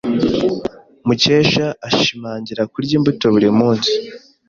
Mukesha ashimangira kurya imbuto buri munsi.